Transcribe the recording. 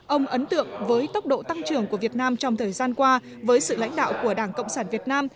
ông ấn tượng với tốc độ tăng trưởng của việt nam trong thời gian qua với sự lãnh đạo của đảng cộng sản việt nam